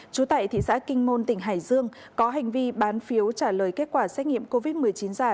trú tại thị xã kinh môn tỉnh hải dương có hành vi bán phiếu trả lời kết quả xét nghiệm covid một mươi chín giả